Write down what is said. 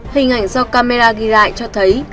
hình ảnh do camera ghi lại cho thấy